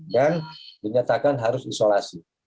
dan dinyatakan harus isolasi